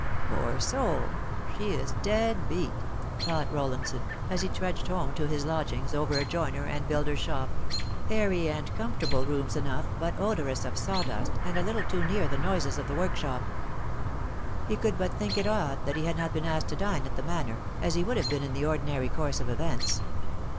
" Poor soul, she is dead beat I" thought Rollinson, as he trudged home to his lodgings over a joiner and builder's shop : A Wife and no Wife. 141 airy and comfortable rooms enough, but odorous of sawdust, and a little too near the noises of the workshop. He could but think it odd that he had not been asked to dine at the Manor, as he would have been in the ordinary course of events.